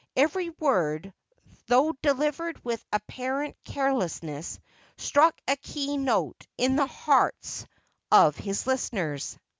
Every word, though delivered with apparent carelessness, struck a key note in the hearts of his listeners.